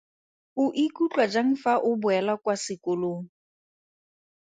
O ikutlwa jang fa o boela kwa sekolong?